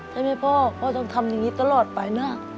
ใช่ไหมพ่อพ่อต้องทำอย่างนี้ตลอดไปนะ